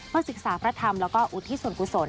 เพื่อศึกษาพระธรรมและอุทิศวรกุศล